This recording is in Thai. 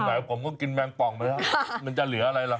ผมก็กินแมงป่องไปแล้วมันจะเหลืออะไรล่ะ